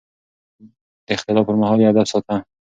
د اختلاف پر مهال يې ادب ساته.